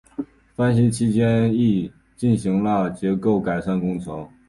翻新期间亦进行了结构改善工程。